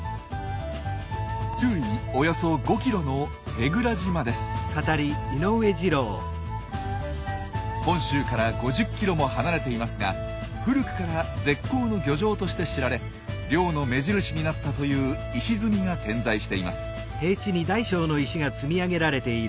周囲およそ５キロの本州から５０キロも離れていますが古くから絶好の漁場として知られ漁の目印になったという石積みが点在しています。